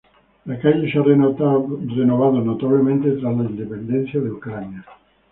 La calle se ha renovado notablemente tras la independencia de Ucrania.